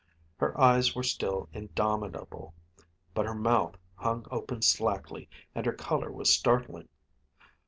Her eyes were still indomitable, but her mouth hung open slackly and her color was startling.